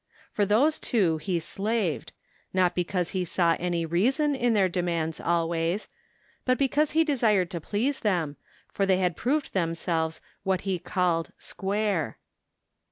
For those two he slaved, not because he saw any reason in their demands always, but because he desired to please them, for they had proved them selves what he called *' square."